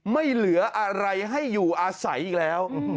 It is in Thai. ไม่เหลืออะไรให้อยู่อาศัยอีกแล้ว